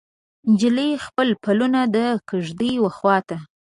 نجلۍ خپل پلونه د کیږدۍ وخواته